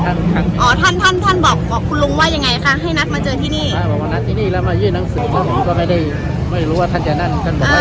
ท่านมีปัญหาที่เลือนดินเป็นคนรู้จักหรือว่ายังไงค่ะ